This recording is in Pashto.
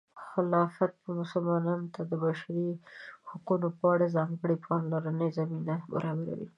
خلافت به مسلمانانو ته د بشري حقونو په اړه د ځانګړې پاملرنې زمینه برابروي.